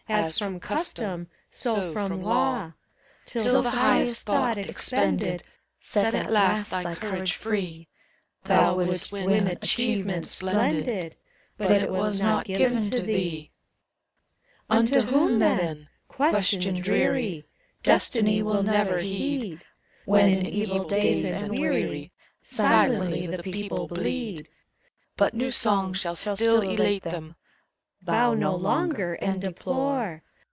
183 As from custom, so from law; Till the highest thought expended Set At last thy courage free : Thou wouldst win achievement splendid, But it was not given to thee. Unto whom, thent Question dreary. Destiny will never heed; When in evil days and weary, Silently the people bleed. But new songs shall still elate them : Bow no longer and deplore!